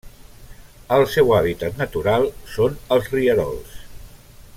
El seu hàbitat natural són els rierols.